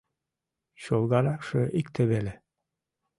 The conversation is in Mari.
Чолгаракше икте веле.